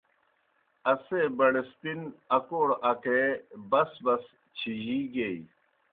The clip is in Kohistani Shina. اسے بڑِستِن اکوڑ اکے بَس بَس چِھجِی گیئی۔